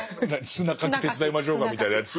砂掻き手伝いましょうかみたいなやつ。